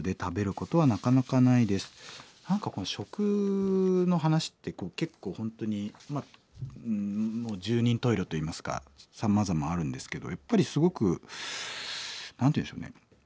何かこの食の話って結構本当にまあ十人十色といいますかさまざまあるんですけどやっぱりすごく何て言うんでしょうね